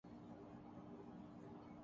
یہ کبھی ختم نہ ہوگی ۔